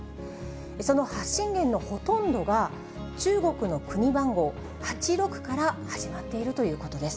その発信源のほとんどが中国の国番号８６から始まっているということです。